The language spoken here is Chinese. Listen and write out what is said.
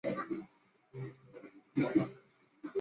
郭台铭提告求偿。